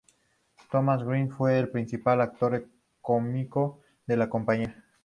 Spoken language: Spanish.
Thomas Greene fue el principal actor cómico de la compañía.